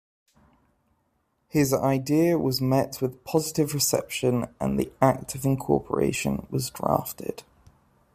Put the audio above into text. His idea was met with positive reception and the act of incorporation was drafted.